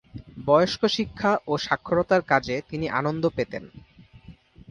বয়স্ক শিক্ষা ও সাক্ষরতার কাজে তিনি আনন্দ পেতেন।